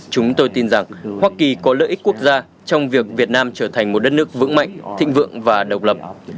chúng tôi tin rằng hoa kỳ có lợi ích quốc gia trong việc việt nam trở thành một đất nước vững mạnh thịnh vượng và độc lập